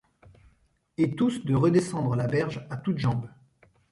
Et tous de redescendre la berge à toutes jambes.